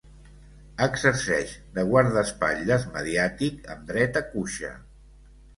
Exerceix de guardaespatlles mediàtic amb dret a cuixa.